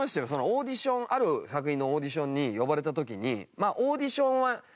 オーディションある作品のオーディションに呼ばれた時に。